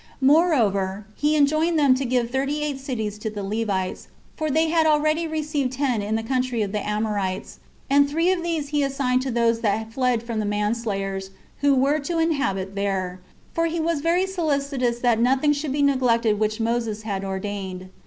Moreover, he enjoined them to give thirty eight cities to the Levites, for they had already received ten in the country of the Amorites; and three of these he assigned to those that fled from the man slayers, who were to inhabit there; for he was very solicitous that nothing should be neglected which Moses had ordained.